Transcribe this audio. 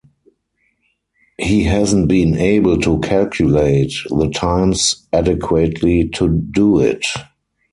He hasn’t been able to calculate the times adequately to do it.